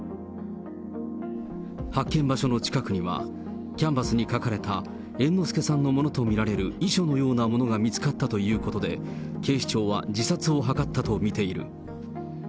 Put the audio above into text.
発見場所の近くには、キャンバスに書かれた猿之助さんのものと見られる遺書のようなものが見つかったということで、警視庁は自殺を図ったと見ている。